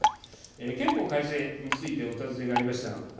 憲法改正について、お尋ねがありました。